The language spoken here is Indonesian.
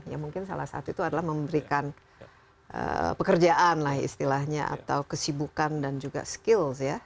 ya mungkin salah satu itu adalah memberikan pekerjaan lah istilahnya atau kesibukan dan juga skills ya